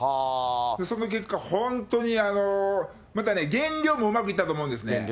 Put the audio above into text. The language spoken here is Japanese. その結果、本当にまたね、減量もうまくいったと思うんですね。